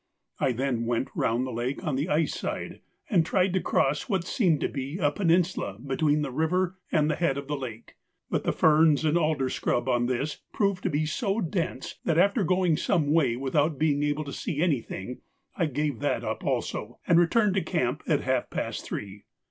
I then went round the lake on the ice side, and tried to cross what seemed to be a peninsula between the river and the head of the lake; but the ferns and alder scrub on this proved to be so dense that after going some way without being able to see anything, I gave that up also, and returned to camp at half past three.